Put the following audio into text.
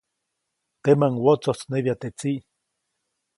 Temäʼuŋ wotsojtsnebya teʼ tsiʼ.